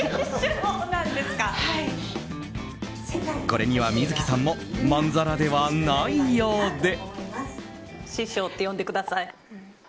これには観月さんもまんざらではないようで。